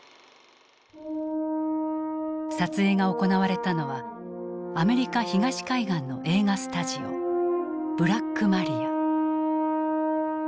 撮影が行われたのはアメリカ東海岸の映画スタジオブラックマリア。